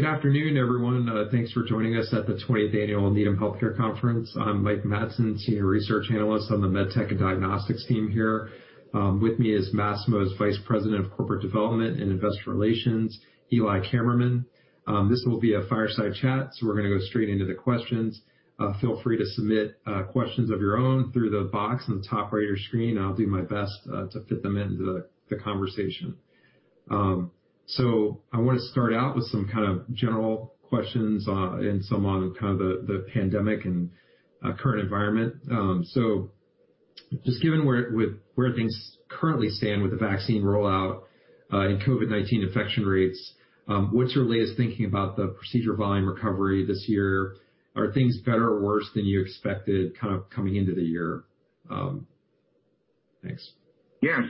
Good afternoon, everyone. Thanks for joining us at the 20th Annual Needham Healthcare Conference. I'm Mike Matson, Senior Research Analyst on the MedTech and Diagnostics team here. With me is Masimo's Vice President of Corporate Development and Investor Relations, Eli Kammerman. This will be a fireside chat, so we're going to go straight into the questions. Feel free to submit questions of your own through the box on the top right of your screen, and I'll do my best to fit them into the conversation. So I want to start out with some kind of general questions and some on kind of the pandemic and current environment. So just given where things currently stand with the vaccine rollout and COVID-19 infection rates, what's your latest thinking about the procedure volume recovery this year? Are things better or worse than you expected kind of coming into the year? Thanks. Yes.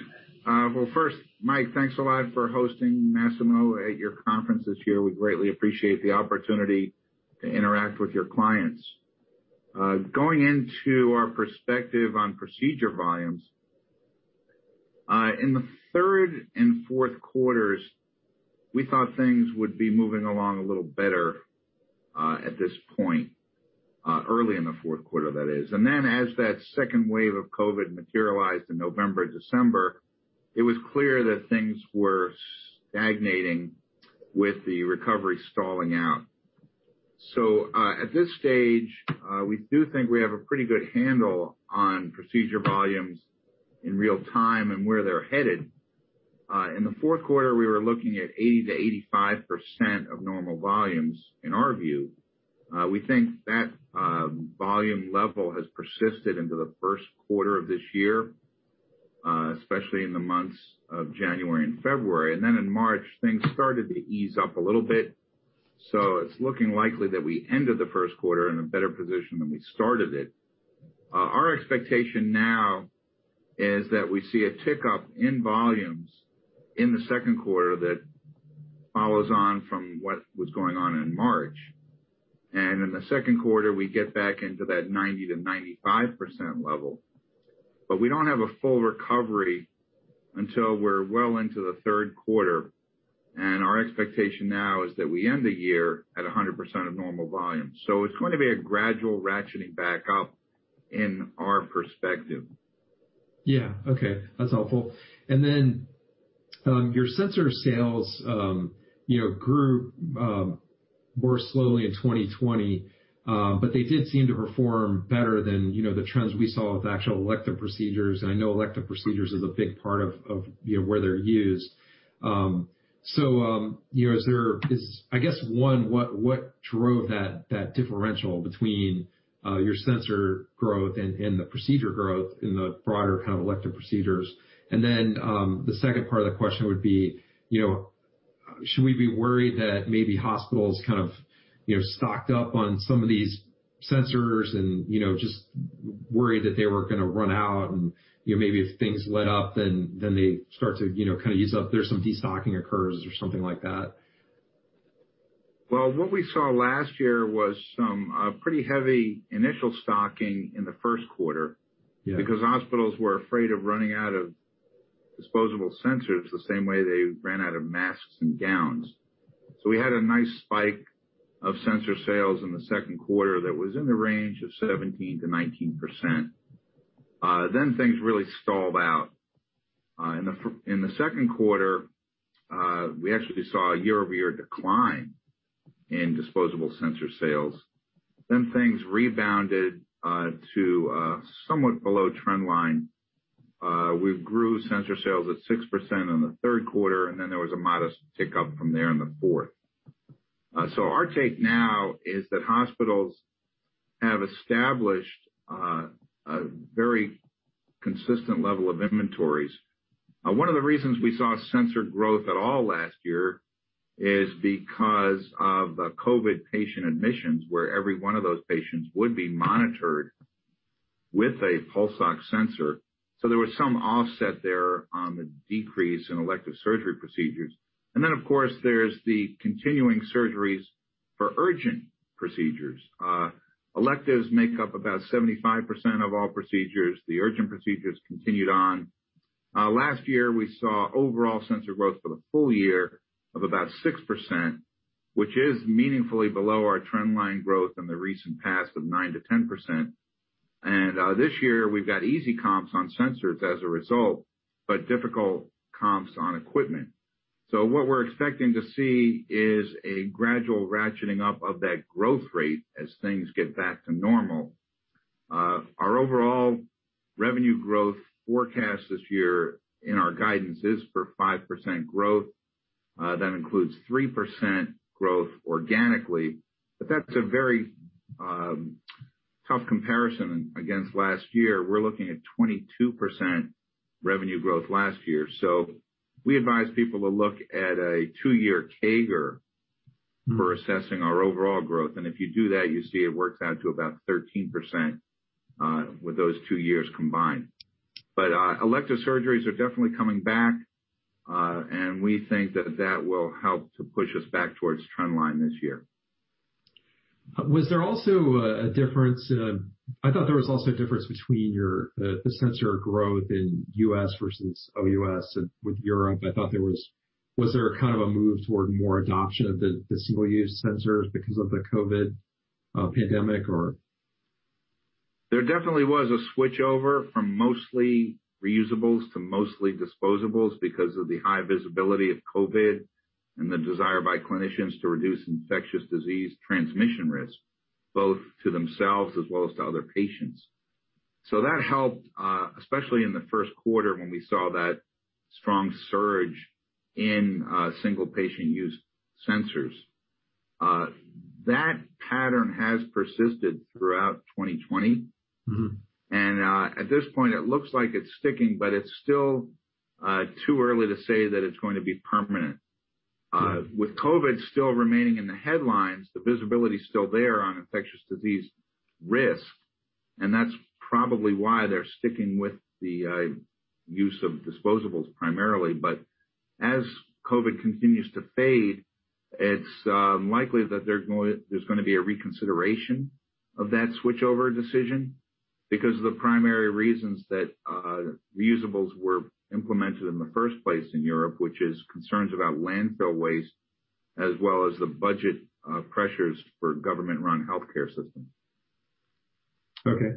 Well, first, Mike, thanks a lot for hosting Masimo at your conference this year. We greatly appreciate the opportunity to interact with your clients. Going into our perspective on procedure volumes, in the third and fourth quarters, we thought things would be moving along a little better at this point, early in the fourth quarter, that is. And then as that second wave of COVID materialized in November and December, it was clear that things were stagnating with the recovery stalling out. So at this stage, we do think we have a pretty good handle on procedure volumes in real time and where they're headed. In the fourth quarter, we were looking at 80%-85% of normal volumes, in our view. We think that volume level has persisted into the first quarter of this year, especially in the months of January and February. And then in March, things started to ease up a little bit. So it's looking likely that we ended the first quarter in a better position than we started it. Our expectation now is that we see a tick up in volumes in the second quarter that follows on from what was going on in March. And in the second quarter, we get back into that 90%-95% level. But we don't have a full recovery until we're well into the third quarter. And our expectation now is that we end the year at 100% of normal volume. So it's going to be a gradual ratcheting back up in our perspective. Yeah. Okay. That's helpful. And then your sensor sales grew more slowly in 2020, but they did seem to perform better than the trends we saw with actual elective procedures. And I know elective procedures is a big part of where they're used. So is there, I guess, one, what drove that differential between your sensor growth and the procedure growth in the broader kind of elective procedures? And then the second part of the question would be, should we be worried that maybe hospitals kind of stocked up on some of these sensors and just worried that they were going to run out? And maybe if things let up, then they start to kind of use up, there's some destocking occurs or something like that? What we saw last year was some pretty heavy initial stocking in the first quarter because hospitals were afraid of running out of disposable sensors the same way they ran out of masks and gowns. So we had a nice spike of sensor sales in the second quarter that was in the range of 17%-19%. Then things really stalled out. In the second quarter, we actually saw a year-over-year decline in disposable sensor sales. Then things rebounded to somewhat below trend line. We grew sensor sales at 6% in the third quarter, and then there was a modest tick up from there in the fourth. So our take now is that hospitals have established a very consistent level of inventories. One of the reasons we saw sensor growth at all last year is because of the COVID patient admissions where every one of those patients would be monitored with a pulse oximeter sensor. So there was some offset there on the decrease in elective surgery procedures. And then, of course, there's the continuing surgeries for urgent procedures. Elective procedures make up about 75% of all procedures. The urgent procedures continued on. Last year, we saw overall sensor growth for the full year of about 6%, which is meaningfully below our trend line growth in the recent past of 9%-10%. And this year, we've got easy comps on sensors as a result, but difficult comps on equipment. So what we're expecting to see is a gradual ratcheting up of that growth rate as things get back to normal. Our overall revenue growth forecast this year in our guidance is for 5% growth. That includes 3% growth organically. But that's a very tough comparison against last year. We're looking at 22% revenue growth last year. So we advise people to look at a two-year CAGR for assessing our overall growth. And if you do that, you see it works out to about 13% with those two years combined. But elective surgeries are definitely coming back, and we think that that will help to push us back towards trend line this year. Was there also a difference? I thought there was also a difference between the sensor growth in the U.S. versus the U.S. and with Europe. I thought there was. Was there kind of a move toward more adoption of the single-use sensors because of the COVID pandemic, or? There definitely was a switch over from mostly reusables to mostly disposables because of the high visibility of COVID and the desire by clinicians to reduce infectious disease transmission risk, both to themselves as well as to other patients. So that helped, especially in the first quarter when we saw that strong surge in single-patient use sensors. That pattern has persisted throughout 2020. And at this point, it looks like it's sticking, but it's still too early to say that it's going to be permanent. With COVID still remaining in the headlines, the visibility is still there on infectious disease risk. And that's probably why they're sticking with the use of disposables primarily. But as COVID continues to fade, it's likely that there's going to be a reconsideration of that switchover decision because of the primary reasons that reusables were implemented in the first place in Europe, which is concerns about landfill waste as well as the budget pressures for government-run healthcare systems. Okay.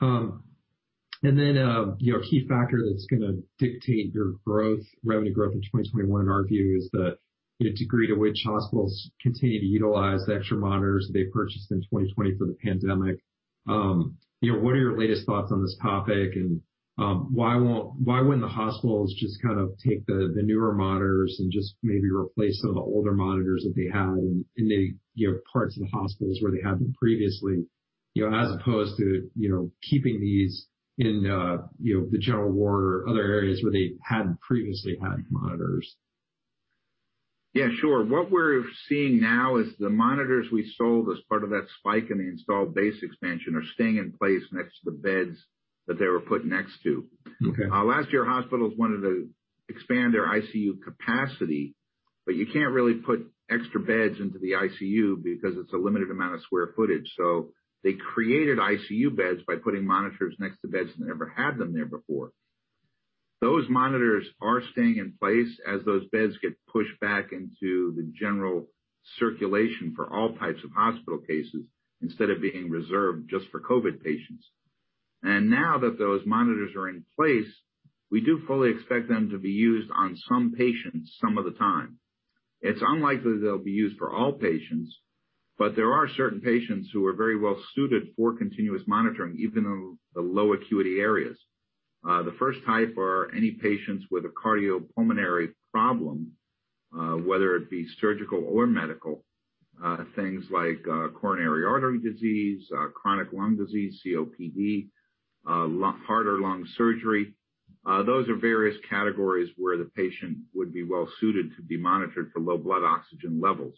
And then a key factor that's going to dictate your growth, revenue growth in 2021, in our view, is the degree to which hospitals continue to utilize the extra monitors that they purchased in 2020 for the pandemic. What are your latest thoughts on this topic? And why wouldn't the hospitals just kind of take the newer monitors and just maybe replace some of the older monitors that they had in the parts of the hospitals where they had them previously, as opposed to keeping these in the general ward or other areas where they hadn't previously had monitors? Yeah, sure. What we're seeing now is the monitors we sold as part of that spike in the installed base expansion are staying in place next to the beds that they were put next to. Last year, hospitals wanted to expand their ICU capacity, but you can't really put extra beds into the ICU because it's a limited amount of square footage. So they created ICU beds by putting monitors next to beds that never had them there before. Those monitors are staying in place as those beds get pushed back into the general circulation for all types of hospital cases instead of being reserved just for COVID patients, and now that those monitors are in place, we do fully expect them to be used on some patients some of the time. It's unlikely they'll be used for all patients, but there are certain patients who are very well suited for continuous monitoring, even in the low acuity areas. The first type are any patients with a cardiopulmonary problem, whether it be surgical or medical, things like coronary artery disease, chronic lung disease, COPD, heart or lung surgery. Those are various categories where the patient would be well suited to be monitored for low blood oxygen levels.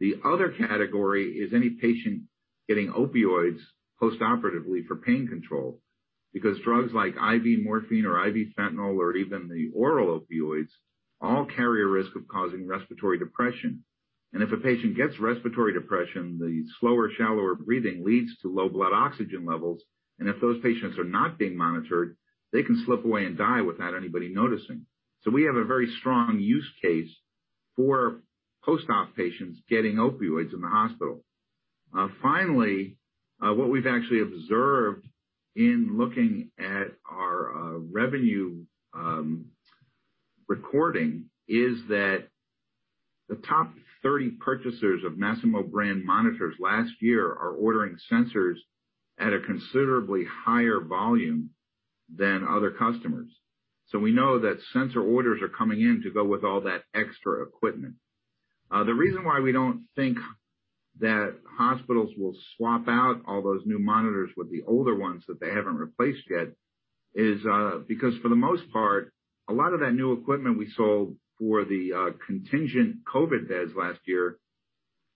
The other category is any patient getting opioids postoperatively for pain control because drugs like IV morphine or IV fentanyl or even the oral opioids all carry a risk of causing respiratory depression, and if a patient gets respiratory depression, the slower, shallower breathing leads to low blood oxygen levels, and if those patients are not being monitored, they can slip away and die without anybody noticing. We have a very strong use case for post-op patients getting opioids in the hospital. Finally, what we've actually observed in looking at our revenue recording is that the top 30 purchasers of Masimo brand monitors last year are ordering sensors at a considerably higher volume than other customers. We know that sensor orders are coming in to go with all that extra equipment. The reason why we don't think that hospitals will swap out all those new monitors with the older ones that they haven't replaced yet is because, for the most part, a lot of that new equipment we sold for the contingent COVID beds last year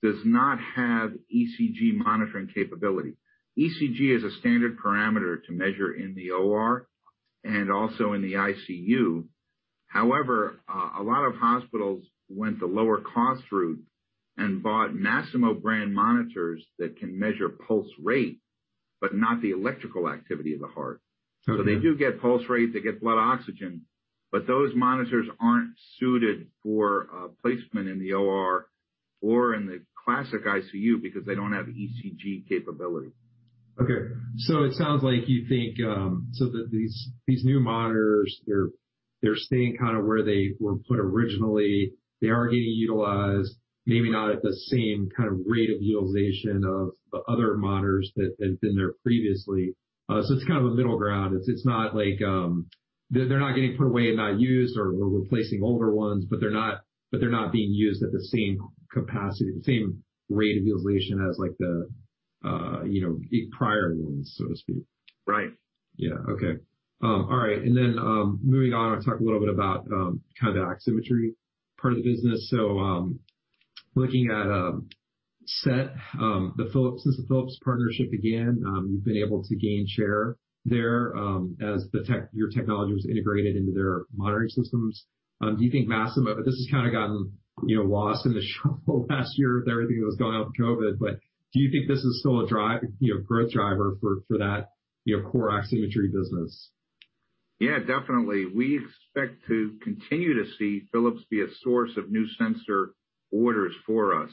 does not have ECG monitoring capability. ECG is a standard parameter to measure in the OR and also in the ICU. However, a lot of hospitals went the lower-cost route and bought Masimo brand monitors that can measure pulse rate, but not the electrical activity of the heart. So they do get pulse rate. They get blood oxygen. But those monitors aren't suited for placement in the OR or in the classic ICU because they don't have ECG capability. Okay. It sounds like you think that these new monitors, they're staying kind of where they were put originally. They are getting utilized, maybe not at the same kind of rate of utilization of the other monitors that have been there previously. It's kind of a middle ground. It's not like they're not getting put away and not used or replacing older ones, but they're not being used at the same capacity, the same rate of utilization as the prior ones, so to speak. Right. Yeah. Okay. All right. And then moving on, I want to talk a little bit about kind of the oximetry part of the business. So looking at SET, since the Philips partnership began, you've been able to gain share there as your technology was integrated into their monitoring systems. Do you think Masimo, this has kind of gotten lost in the shuffle last year with everything that was going on with COVID, but do you think this is still a growth driver for that core oximetry business? Yeah, definitely. We expect to continue to see Philips be a source of new sensor orders for us.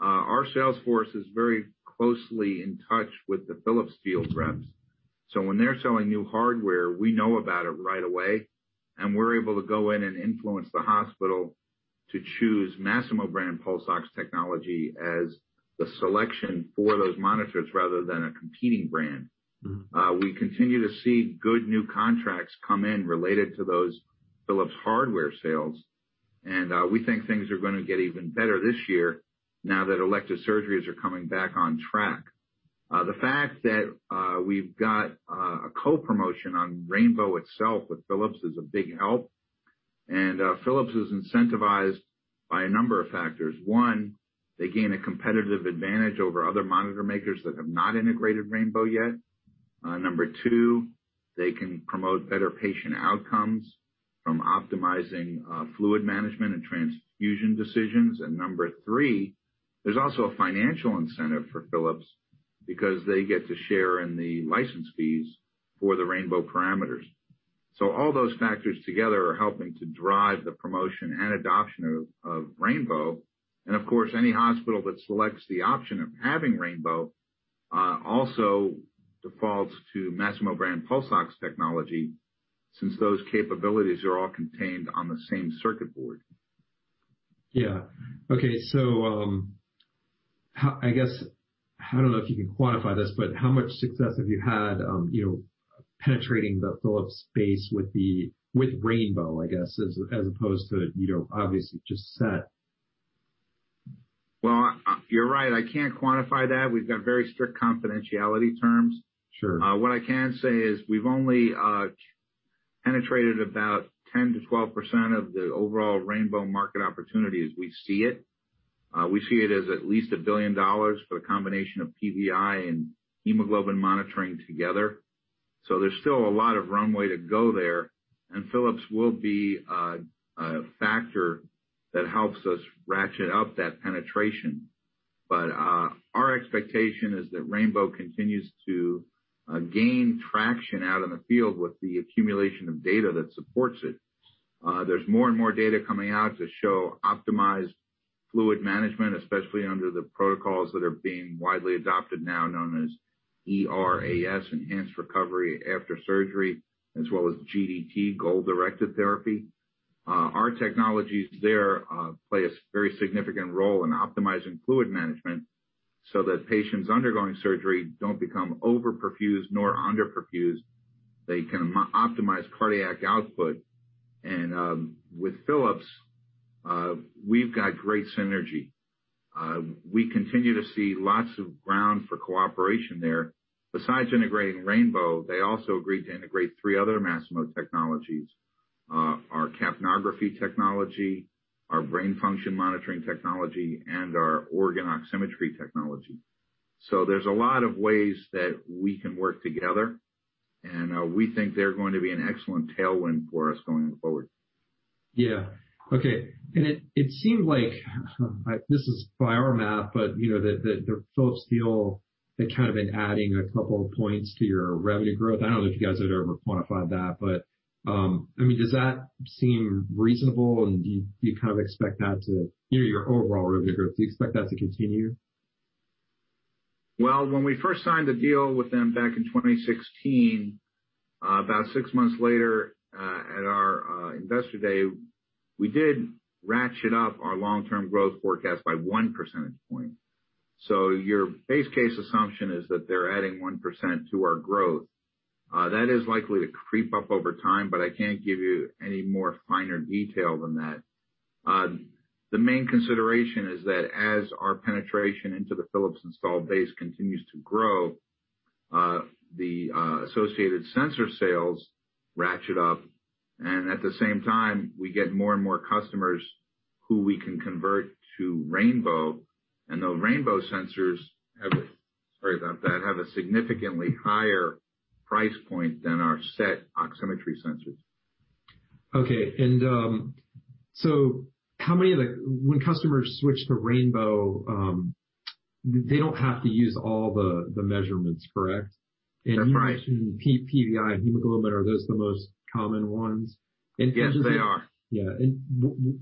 Our sales force is very closely in touch with the Philips field reps. So when they're selling new hardware, we know about it right away. And we're able to go in and influence the hospital to choose Masimo brand pulse oximetry technology as the selection for those monitors rather than a competing brand. We continue to see good new contracts come in related to those Philips hardware sales. And we think things are going to get even better this year now that elective surgeries are coming back on track. The fact that we've got a co-promotion on Rainbow itself with Philips is a big help. And Philips is incentivized by a number of factors. One, they gain a competitive advantage over other monitor makers that have not integrated Rainbow yet. Number two, they can promote better patient outcomes from optimizing fluid management and transfusion decisions. And number three, there's also a financial incentive for Philips because they get to share in the license fees for the Rainbow parameters. So all those factors together are helping to drive the promotion and adoption of Rainbow. And of course, any hospital that selects the option of having Rainbow also defaults to Masimo brand pulse oximetry technology since those capabilities are all contained on the same circuit board. Yeah. Okay. So I guess, I don't know if you can quantify this, but how much success have you had penetrating the Philips base with Rainbow, I guess, as opposed to obviously just SET? Well, you're right. I can't quantify that. We've got very strict confidentiality terms. What I can say is we've only penetrated about 10%-12% of the overall Rainbow market opportunity as we see it. We see it as at least $1 billion for a combination of PVI and hemoglobin monitoring together. So there's still a lot of runway to go there. And Philips will be a factor that helps us ratchet up that penetration. But our expectation is that Rainbow continues to gain traction out in the field with the accumulation of data that supports it. There's more and more data coming out to show optimized fluid management, especially under the protocols that are being widely adopted now, known as ERAS, enhanced recovery after surgery, as well as GDT, goal-directed therapy. Our technologies there play a very significant role in optimizing fluid management so that patients undergoing surgery don't become overperfused nor underperfused. They can optimize cardiac output. And with Philips, we've got great synergy. We continue to see lots of ground for cooperation there. Besides integrating Rainbow, they also agreed to integrate three other Masimo technologies: our capnography technology, our brain function monitoring technology, and our organ oximetry technology. So there's a lot of ways that we can work together. And we think they're going to be an excellent tailwind for us going forward. Yeah. Okay. And it seemed like this is by our math, but the Philips deal, they kind of been adding a couple of points to your revenue growth. I don't know if you guys have ever quantified that, but I mean, does that seem reasonable? And do you kind of expect that to your overall revenue growth, do you expect that to continue? When we first signed the deal with them back in 2016, about six months later at our investor day, we did ratchet up our long-term growth forecast by one percentage point. Your base case assumption is that they're adding 1% to our growth. That is likely to creep up over time, but I can't give you any more finer detail than that. The main consideration is that as our penetration into the Philips installed base continues to grow, the associated sensor sales ratchet up. At the same time, we get more and more customers who we can convert to Rainbow. Those Rainbow sensors, sorry about that, have a significantly higher price point than our SET oximetry sensors. Okay. And so when customers switch to Rainbow, they don't have to use all the measurements, correct? That's right. You mentioned PVI and hemoglobin. Are those the most common ones? Yes, they are. Yeah, and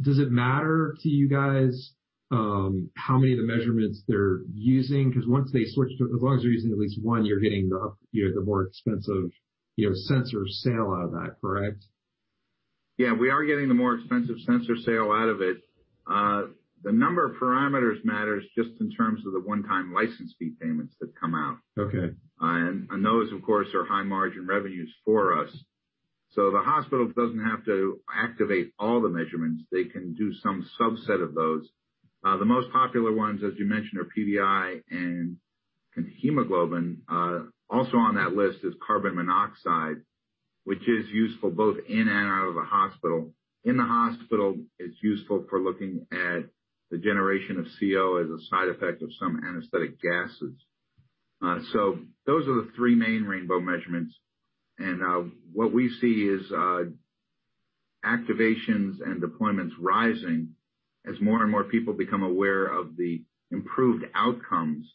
does it matter to you guys how many of the measurements they're using? Because once they switch to, as long as they're using at least one, you're getting the more expensive sensor sale out of that, correct? Yeah. We are getting the more expensive sensor sale out of it. The number of parameters matters just in terms of the one-time license fee payments that come out. And those, of course, are high-margin revenues for us. So the hospital doesn't have to activate all the measurements. They can do some subset of those. The most popular ones, as you mentioned, are PVI and hemoglobin. Also on that list is carbon monoxide, which is useful both in and out of the hospital. In the hospital, it's useful for looking at the generation of CO as a side effect of some anesthetic gases. So those are the three main Rainbow measurements. And what we see is activations and deployments rising as more and more people become aware of the improved outcomes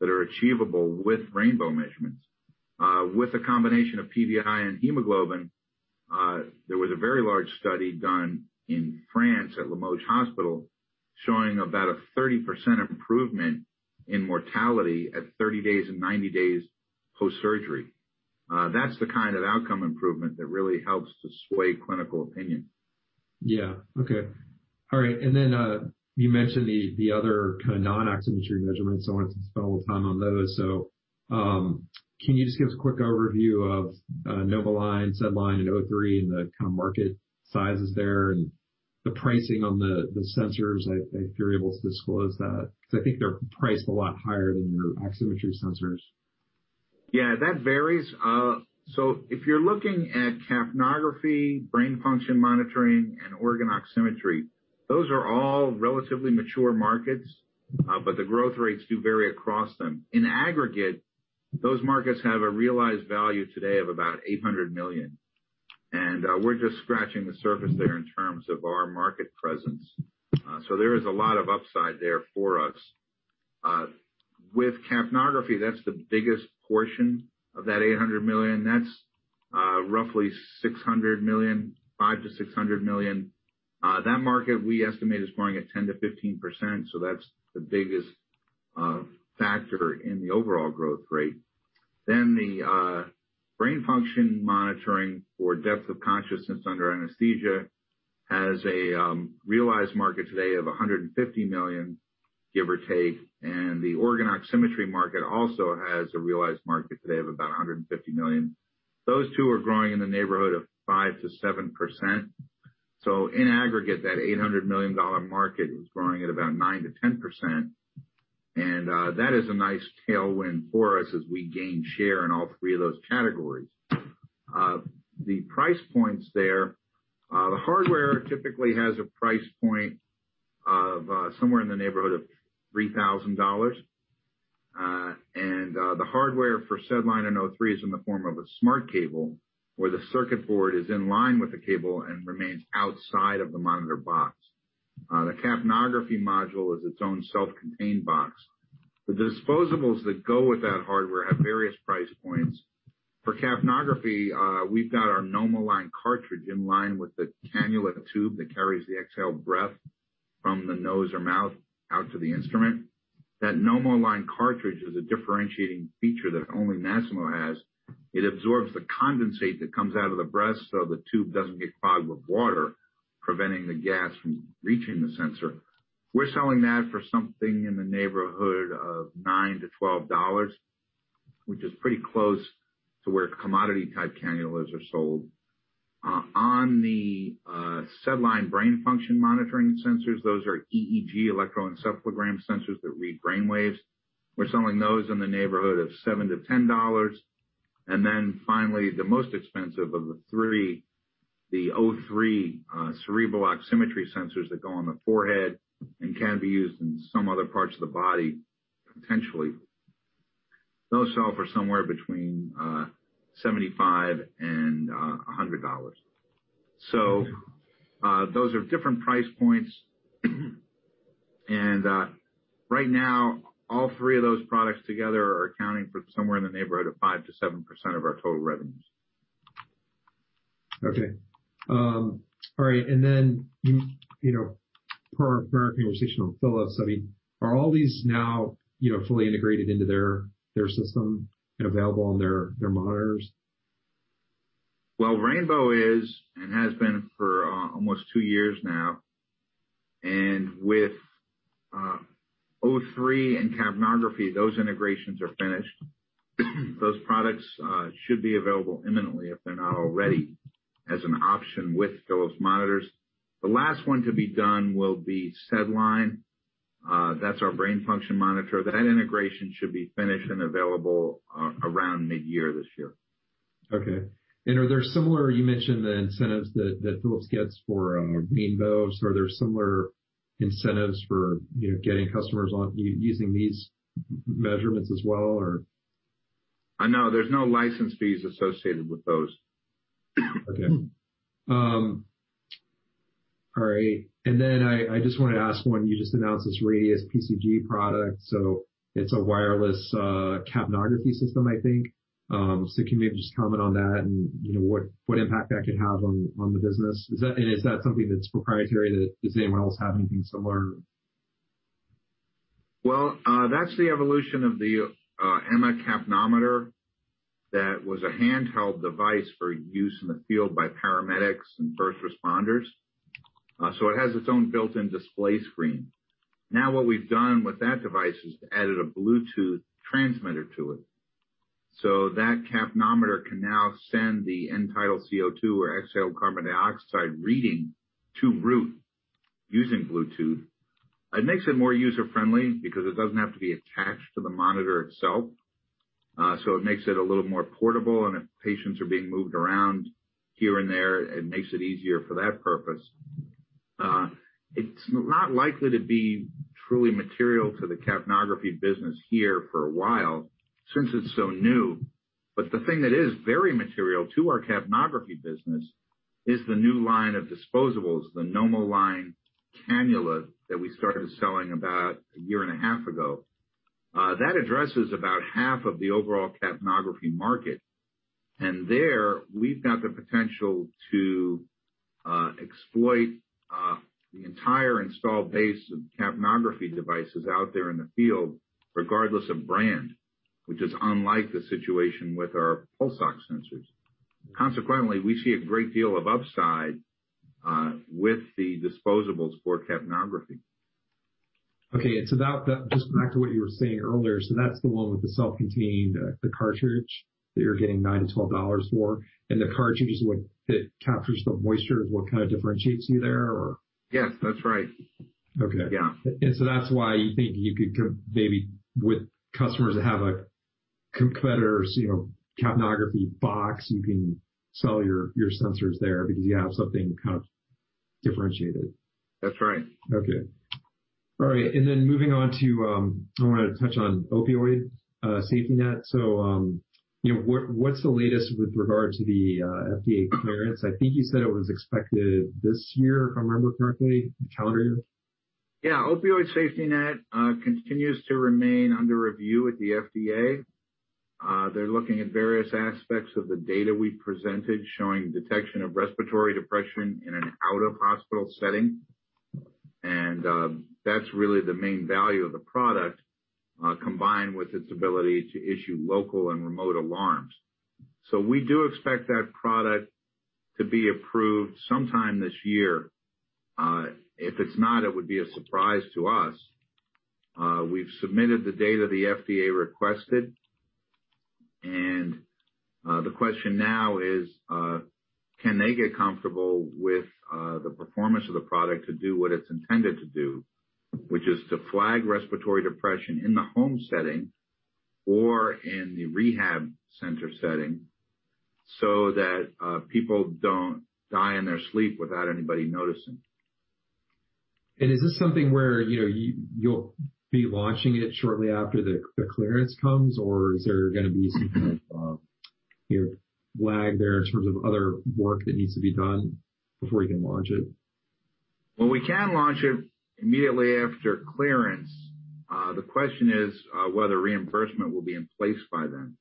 that are achievable with Rainbow measurements. With a combination of PVI and hemoglobin, there was a very large study done in France at Limoges Hospital showing about a 30% improvement in mortality at 30 days and 90 days post-surgery. That's the kind of outcome improvement that really helps to sway clinical opinion. Yeah. Okay. All right. And then you mentioned the other kind of non-oximetry measurements. I wanted to spend a little time on those. So can you just give us a quick overview of NomoLine, SedLine, and O3, and the kind of market sizes there and the pricing on the sensors? If you're able to disclose that. Because I think they're priced a lot higher than your oximetry sensors. Yeah. That varies. So if you're looking at capnography, brain function monitoring, and organ oximetry, those are all relatively mature markets, but the growth rates do vary across them. In aggregate, those markets have a realized value today of about $800 million. And we're just scratching the surface there in terms of our market presence. So there is a lot of upside there for us. With capnography, that's the biggest portion of that $800 million. That's roughly $600 million, $500-$600 million. That market, we estimate, is growing at 10%-15%. So that's the biggest factor in the overall growth rate. Then the brain function monitoring for depth of consciousness under anesthesia has a realized market today of $150 million, give or take. And the organ oximetry market also has a realized market today of about $150 million. Those two are growing in the neighborhood of 5%-7%. So in aggregate, that $800 million market is growing at about 9%-10%. And that is a nice tailwind for us as we gain share in all three of those categories. The price points there, the hardware typically has a price point of somewhere in the neighborhood of $3,000. And the hardware for SedLine and O3 is in the form of a smart cable where the circuit board is in line with the cable and remains outside of the monitor box. The capnography module is its own self-contained box. The disposables that go with that hardware have various price points. For capnography, we've got our NomoLine cartridge in line with the cannula tube that carries the exhale breath from the nose or mouth out to the instrument. That NomoLine cartridge is a differentiating feature that only Masimo has. It absorbs the condensate that comes out of the breath so the tube doesn't get clogged with water, preventing the gas from reaching the sensor. We're selling that for something in the neighborhood of $9-$12, which is pretty close to where commodity-type cannulas are sold. On the SedLine brain function monitoring sensors, those are EEG electroencephalogram sensors that read brain waves. We're selling those in the neighborhood of $7-$10. And then finally, the most expensive of the three, the O3 cerebral oximetry sensors that go on the forehead and can be used in some other parts of the body, potentially. Those sell for somewhere between $75 and $100. So those are different price points. Right now, all three of those products together are accounting for somewhere in the neighborhood of 5%-7% of our total revenues. Okay. All right. And then per our conversation on Philips, I mean, are all these now fully integrated into their system and available on their monitors? Rainbow is and has been for almost two years now. With O3 and capnography, those integrations are finished. Those products should be available imminently, if they're not already, as an option with Philips monitors. The last one to be done will be SedLine. That's our brain function monitor. That integration should be finished and available around mid-year this year. Okay. And are there similar, you mentioned the incentives that Philips gets for Rainbow. So are there similar incentives for getting customers using these measurements as well, or? No. There's no license fees associated with those. Okay. All right. And then I just wanted to ask one. You just announced this Radius PCG product. So it's a wireless capnography system, I think. So can you maybe just comment on that and what impact that could have on the business? And is that something that's proprietary? Does anyone else have anything similar? That's the evolution of the EMMA capnometer that was a handheld device for use in the field by paramedics and first responders. So it has its own built-in display screen. Now what we've done with that device is added a Bluetooth transmitter to it. So that capnometer can now send the end-tidal CO2 or exhale carbon dioxide reading to a remote using Bluetooth. It makes it more user-friendly because it doesn't have to be attached to the monitor itself. So it makes it a little more portable. And if patients are being moved around here and there, it makes it easier for that purpose. It's not likely to be truly material to the capnography business here for a while since it's so new. But the thing that is very material to our capnography business is the new line of disposables, the NomoLine cannula that we started selling about a year and a half ago. That addresses about half of the overall capnography market, and there, we've got the potential to exploit the entire installed base of capnography devices out there in the field, regardless of brand, which is unlike the situation with our pulse oximetry sensors. Consequently, we see a great deal of upside with the disposables for capnography. Okay, and so just back to what you were saying earlier, so that's the one with the self-contained cartridge that you're getting $9-$12 for, and the cartridge that captures the moisture is what kind of differentiates you there, or? Yes. That's right. Yeah. Okay, and so that's why you think you could maybe with customers that have a competitor's capnography box, you can sell your sensors there because you have something kind of differentiated. That's right. Okay. All right, and then moving on to, I want to touch on Opioid SafetyNet. So what's the latest with regard to the FDA clearance? I think you said it was expected this year, if I remember correctly, the calendar year. Yeah. Opioid SafetyNet continues to remain under review with the FDA. They're looking at various aspects of the data we presented showing detection of respiratory depression in an out-of-hospital setting. And that's really the main value of the product combined with its ability to issue local and remote alarms. So we do expect that product to be approved sometime this year. If it's not, it would be a surprise to us. We've submitted the data the FDA requested. And the question now is, can they get comfortable with the performance of the product to do what it's intended to do, which is to flag respiratory depression in the home setting or in the rehab center setting so that people don't die in their sleep without anybody noticing? Is this something where you'll be launching it shortly after the clearance comes, or is there going to be some kind of flag there in terms of other work that needs to be done before you can launch it? We can launch it immediately after clearance. The question is whether reimbursement will be in place by then.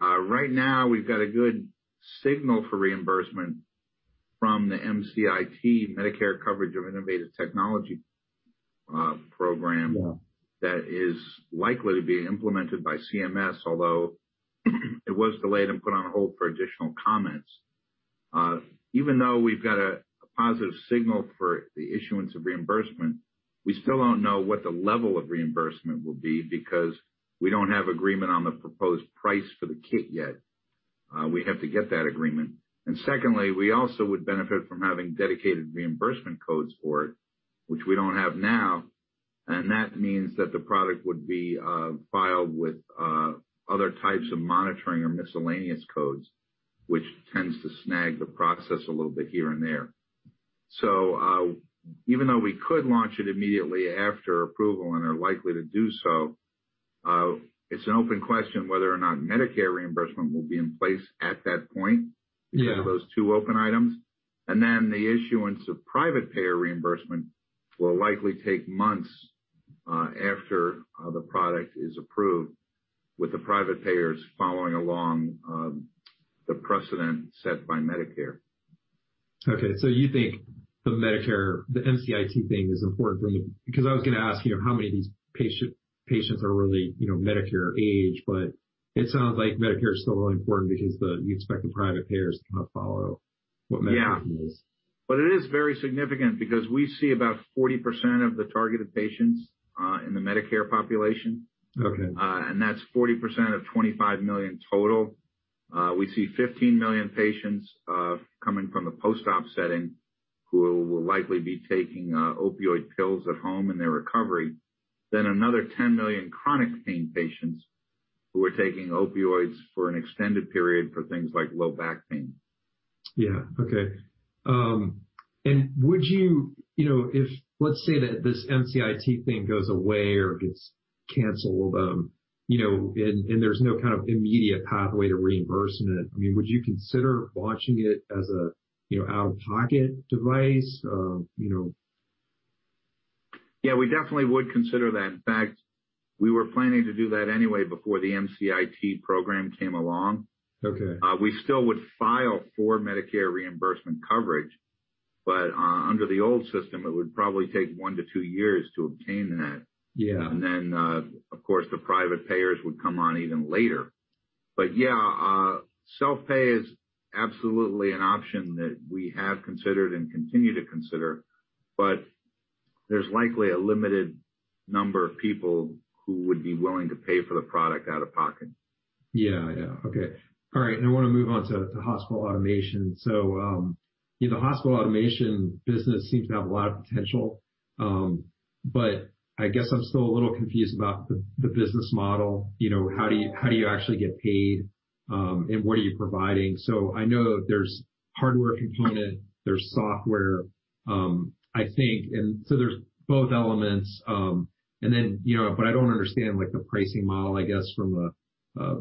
Right now, we've got a good signal for reimbursement from the MCIT, Medicare Coverage of Innovative Technology program, that is likely to be implemented by CMS, although it was delayed and put on hold for additional comments. Even though we've got a positive signal for the issuance of reimbursement, we still don't know what the level of reimbursement will be because we don't have agreement on the proposed price for the kit yet. We have to get that agreement. And secondly, we also would benefit from having dedicated reimbursement codes for it, which we don't have now. And that means that the product would be filed with other types of monitoring or miscellaneous codes, which tends to snag the process a little bit here and there. So even though we could launch it immediately after approval and are likely to do so, it's an open question whether or not Medicare reimbursement will be in place at that point because of those two open items. And then the issuance of private payer reimbursement will likely take months after the product is approved with the private payers following along the precedent set by Medicare. Okay. So you think the Medicare, the MCIT thing is important from the, because I was going to ask how many of these patients are really Medicare age, but it sounds like Medicare is still really important because you expect the private payers to kind of follow what Medicare is. Yeah, but it is very significant because we see about 40% of the targeted patients in the Medicare population, and that's 40% of 25 million total. We see 15 million patients coming from the post-op setting who will likely be taking opioid pills at home in their recovery, then another 10 million chronic pain patients who are taking opioids for an extended period for things like low back pain. Yeah. Okay. And would you, if let's say that this MCIT thing goes away or gets canceled and there's no kind of immediate pathway to reimbursement, I mean, would you consider launching it as an out-of-pocket device? Yeah. We definitely would consider that. In fact, we were planning to do that anyway before the MCIT program came along. We still would file for Medicare reimbursement coverage, but under the old system, it would probably take one to two years to obtain that, and then, of course, the private payers would come on even later, but yeah, self-pay is absolutely an option that we have considered and continue to consider, but there's likely a limited number of people who would be willing to pay for the product out of pocket. Yeah. Yeah. Okay. All right. And I want to move on to hospital automation. So the hospital automation business seems to have a lot of potential. But I guess I'm still a little confused about the business model. How do you actually get paid, and what are you providing? So I know there's hardware component. There's software, I think. And so there's both elements. And then, but I don't understand the pricing model, I guess, from a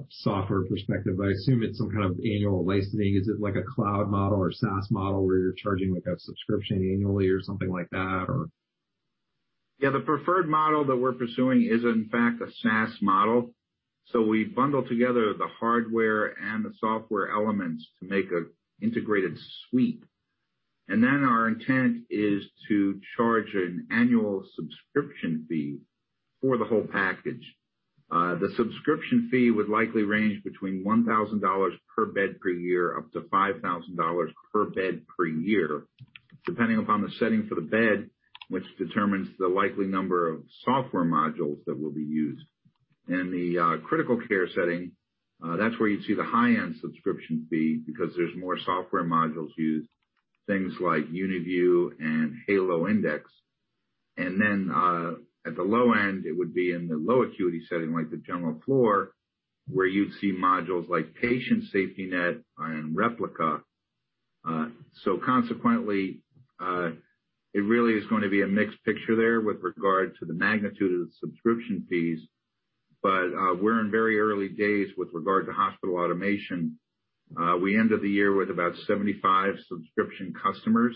software perspective. I assume it's some kind of annual licensing. Is it like a cloud model or SaaS model where you're charging a subscription annually or something like that, or? Yeah. The preferred model that we're pursuing is, in fact, a SaaS model. So we bundle together the hardware and the software elements to make an integrated suite, and then our intent is to charge an annual subscription fee for the whole package. The subscription fee would likely range between $1,000 per bed per year up to $5,000 per bed per year, depending upon the setting for the bed, which determines the likely number of software modules that will be used, and the critical care setting, that's where you'd see the high-end subscription fee because there's more software modules used, things like UniView and Halo Index, and then at the low end, it would be in the low acuity setting, like the general floor, where you'd see modules like Patient SafetyNet and Replica. So consequently, it really is going to be a mixed picture there with regard to the magnitude of the subscription fees. But we're in very early days with regard to hospital automation. We ended the year with about 75 subscription customers,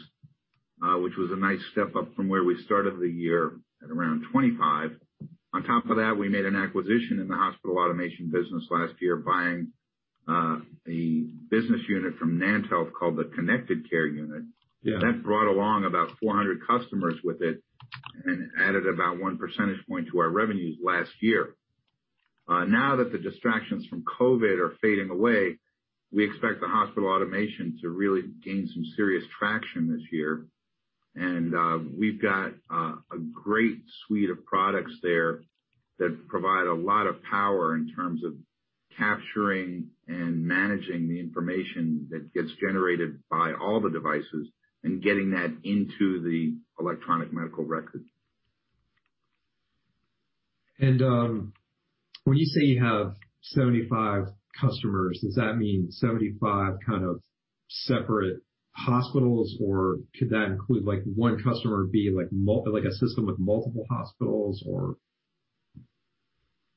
which was a nice step up from where we started the year at around 25. On top of that, we made an acquisition in the hospital automation business last year, buying a business unit from NantHealth called Connected Care. That brought along about 400 customers with it and added about one percentage point to our revenues last year. Now that the distractions from COVID are fading away, we expect the hospital automation to really gain some serious traction this year. We've got a great suite of products there that provide a lot of power in terms of capturing and managing the information that gets generated by all the devices and getting that into the electronic medical record. When you say you have 75 customers, does that mean 75 kind of separate hospitals, or could that include one customer be a system with multiple hospitals, or?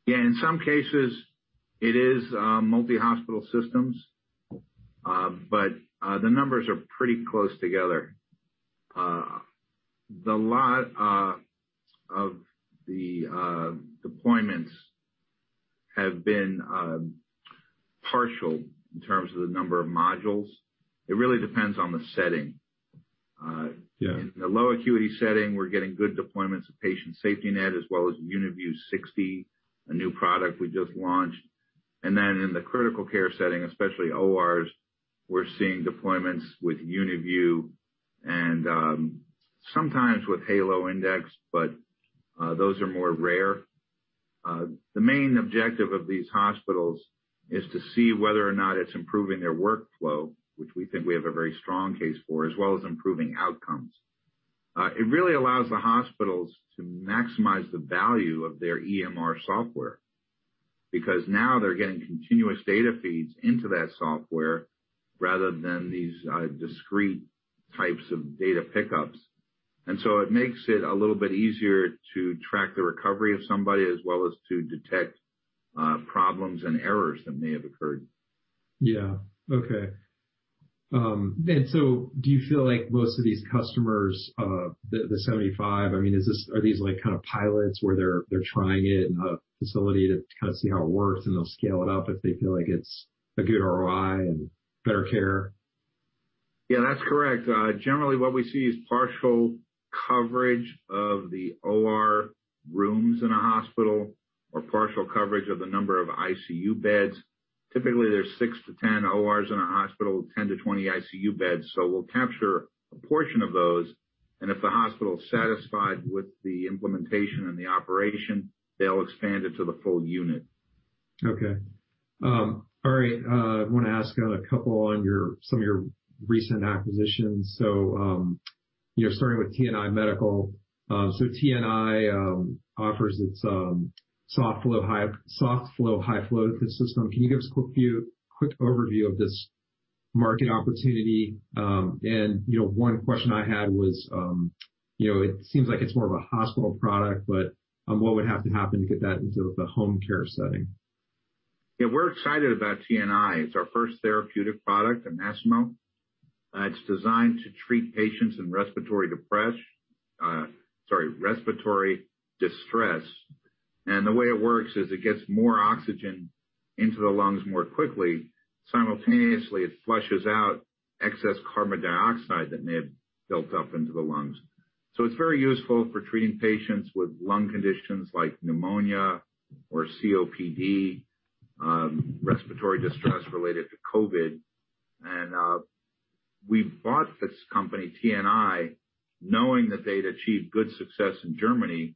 Yeah. In some cases, it is multi-hospital systems, but the numbers are pretty close together. A lot of the deployments have been partial in terms of the number of modules. It really depends on the setting. In the low acuity setting, we're getting good deployments of Patient SafetyNet as well as UniView 60, a new product we just launched, and then in the critical care setting, especially ORs, we're seeing deployments with UniView and sometimes with Halo Index, but those are more rare. The main objective of these hospitals is to see whether or not it's improving their workflow, which we think we have a very strong case for, as well as improving outcomes. It really allows the hospitals to maximize the value of their EMR software because now they're getting continuous data feeds into that software rather than these discrete types of data pickups. And so it makes it a little bit easier to track the recovery of somebody as well as to detect problems and errors that may have occurred. Yeah. Okay. And so do you feel like most of these customers, the 75, I mean, are these kind of pilots where they're trying it in a facility to kind of see how it works, and they'll scale it up if they feel like it's a good ROI and better care? Yeah. That's correct. Generally, what we see is partial coverage of the OR rooms in a hospital or partial coverage of the number of ICU beds. Typically, there's six to 10 ORs in a hospital, 10 to 20 ICU beds. So we'll capture a portion of those, and if the hospital is satisfied with the implementation and the operation, they'll expand it to the full unit. Okay. All right. I want to ask a couple on some of your recent acquisitions. So starting with TNI Medical. So TNI offers its softFlow high-flow system. Can you give us a quick overview of this market opportunity? And one question I had was it seems like it's more of a hospital product, but what would have to happen to get that into the home care setting? Yeah. We're excited about TNI. It's our first therapeutic product at Masimo. It's designed to treat patients in respiratory depression, sorry, respiratory distress. And the way it works is it gets more oxygen into the lungs more quickly. Simultaneously, it flushes out excess carbon dioxide that may have built up into the lungs. So it's very useful for treating patients with lung conditions like pneumonia or COPD, respiratory distress related to COVID. And we bought this company, TNI, knowing that they'd achieved good success in Germany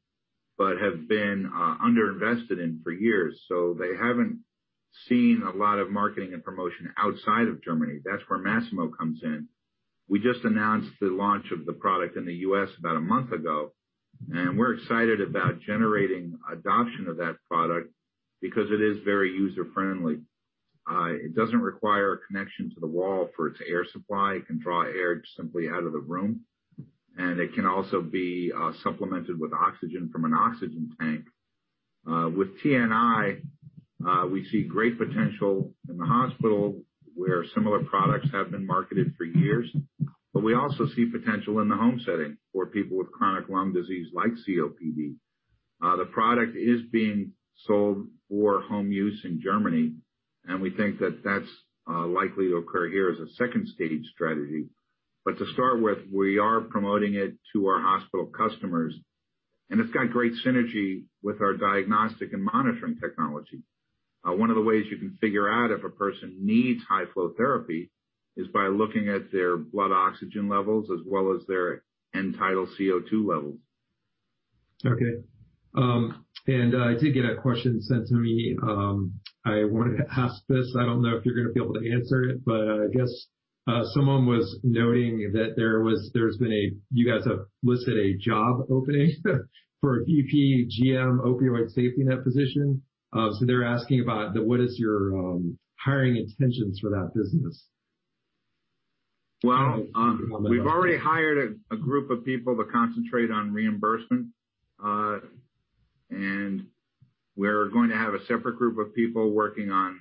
but have been underinvested in for years. So they haven't seen a lot of marketing and promotion outside of Germany. That's where Masimo comes in. We just announced the launch of the product in the U.S. about a month ago. And we're excited about generating adoption of that product because it is very user-friendly. It doesn't require a connection to the wall for its air supply. It can draw air simply out of the room, and it can also be supplemented with oxygen from an oxygen tank. With TNI, we see great potential in the hospital where similar products have been marketed for years, but we also see potential in the home setting for people with chronic lung disease like COPD. The product is being sold for home use in Germany, and we think that that's likely to occur here as a second-stage strategy, but to start with, we are promoting it to our hospital customers, and it's got great synergy with our diagnostic and monitoring technology. One of the ways you can figure out if a person needs high-flow therapy is by looking at their blood oxygen levels as well as their end-tidal CO2 levels. Okay. I did get a question sent to me. I wanted to ask this. I don't know if you're going to be able to answer it, but I guess someone was noting that there's been a job opening that you guys have listed for a VP, GM, Opioid SafetyNet position. They're asking about what your hiring intentions are for that business. We've already hired a group of people to concentrate on reimbursement. We're going to have a separate group of people working on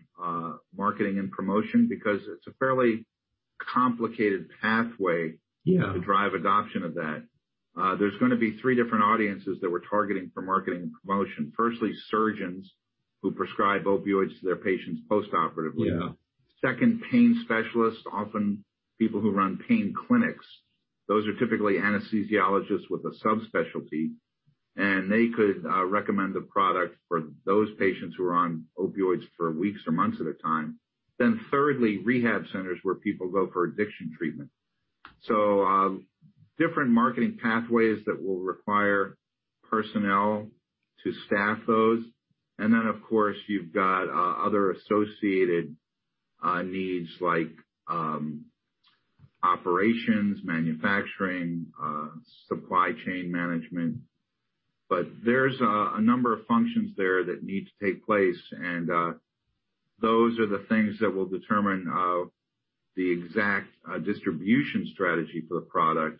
marketing and promotion because it's a fairly complicated pathway to drive adoption of that. There's going to be three different audiences that we're targeting for marketing and promotion. Firstly, surgeons who prescribe opioids to their patients post-operatively. Second, pain specialists, often people who run pain clinics. Those are typically anesthesiologists with a subspecialty. They could recommend the product for those patients who are on opioids for weeks or months at a time. Thirdly, rehab centers where people go for addiction treatment. Different marketing pathways that will require personnel to staff those. Then, of course, you've got other associated needs like operations, manufacturing, supply chain management. There's a number of functions there that need to take place. Those are the things that will determine the exact distribution strategy for the product,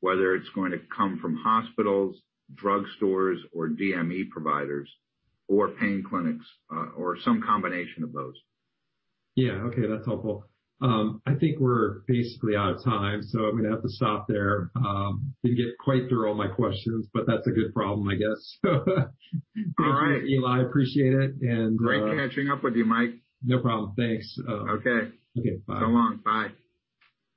whether it's going to come from hospitals, drug stores, or DME providers, or pain clinics, or some combination of those. Yeah. Okay. That's helpful. I think we're basically out of time. So I'm going to have to stop there. Didn't get quite through all my questions, but that's a good problem, I guess. All right. Thanks, Eli. Appreciate it. Great catching up with you, Mike. No problem. Thanks. Okay. Okay. Bye. So long. Bye.